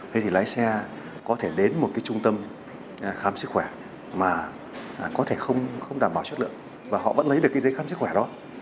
thế thì lái xe có thể đến một cái trung tâm khám sức khỏe mà có thể không đảm bảo chất lượng và họ vẫn lấy được cái giấy khám sức khỏe đó